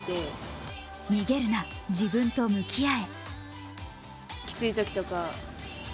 それは「逃げるな自分と向き合え」。